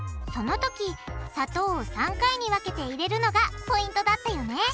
そのとき砂糖を３回に分けて入れるのがポイントだったよね！